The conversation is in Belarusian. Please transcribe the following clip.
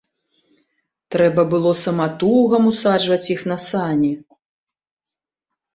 Трэба было саматугам усаджваць іх на сані.